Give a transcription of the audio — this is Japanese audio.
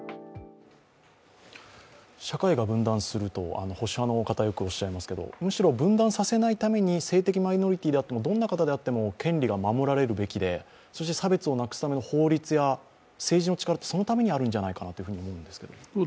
社会が分断すると、保守派の方はよくおっしゃいますけどむしろ分断させないために性的マイノリティーであっても、どんな方であっても権利が守られるべきでそして差別をなくすための法律や、政治の力ってそのためにあるんじゃないかなと思うんですけど。